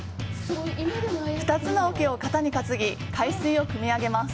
２つの桶を肩に担ぎ、海水をくみ上げます。